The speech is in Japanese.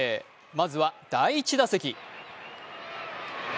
まずは第１打席。